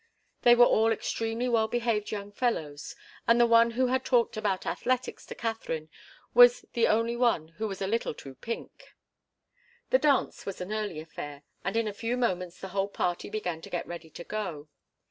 They were all extremely well behaved young fellows, and the one who had talked about athletics to Katharine was the only one who was a little too pink. The dance was an early affair, and in a few moments the whole party began to get ready to go.